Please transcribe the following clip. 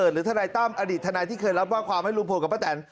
ทนายตั้มอดีตทนายที่เคยรับว่าความให้ลุงพลกับป้าแตน